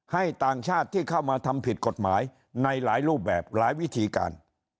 ต่างชาติที่เข้ามาทำผิดกฎหมายในหลายรูปแบบหลายวิธีการ